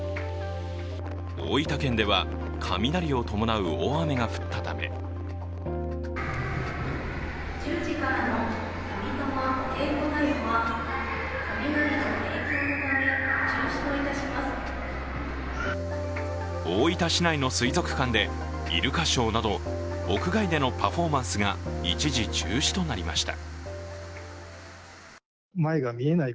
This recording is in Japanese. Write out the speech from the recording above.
大分県では雷を伴う大雨が降ったため大分市内の水族館でイルカショーなど屋外でのパフォーマンスが一時、中止となりました。